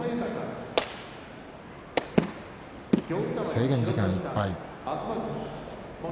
制限時間いっぱいです。